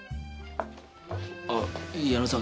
あっ矢野さん